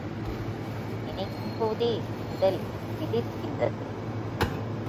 நினைக்கும்போதே உடல் சிலிர்க்கின்றது.